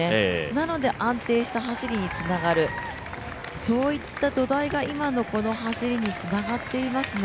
なので安定した走りにつながる、そういった土台が今のこの走りにつながっていますね。